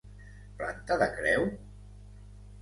Planta de creu?